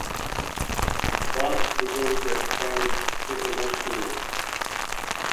Balt began to expand internationally.